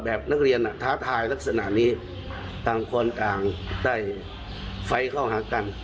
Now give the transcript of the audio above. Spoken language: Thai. แบบน้องเรียนอ่ะท้ายลักษณะนี้ตามคนต่างได้ไฟเข้าหากัน